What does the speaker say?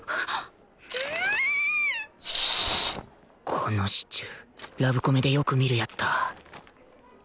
このシチュラブコメでよく見るやつだ